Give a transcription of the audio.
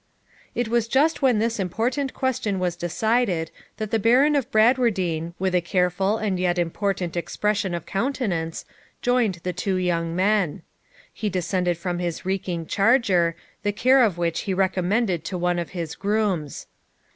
It was just when this important question was decided that the Baron of Bradwardine, with a careful and yet important expression of countenance, joined the two young men. He descended from his reeking charger, the care of which he recommended to one of his grooms.